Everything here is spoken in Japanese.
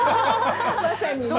まさにね。